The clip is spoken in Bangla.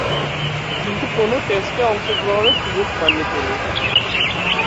কিন্তু, কোন টেস্টে অংশগ্রহণের সুযোগ পাননি তিনি।